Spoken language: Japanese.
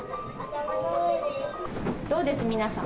どうです、皆さん。